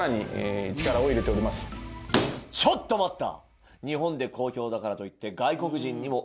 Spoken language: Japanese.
ちょっと待った！